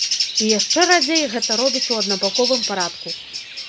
І яшчэ радзей гэта робіць у аднабаковым парадку.